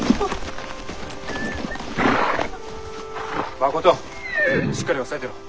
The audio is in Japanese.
誠しっかり押さえてろ。